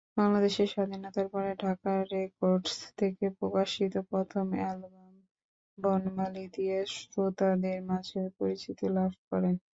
বাংলাদেশের স্বাধীনতার পরে ঢাকা রেকর্ডস থেকে প্রকাশিত প্রথম অ্যালবাম 'বনমালী' দিয়ে শ্রোতাদের মাঝে পরিচিতি লাভ করেন।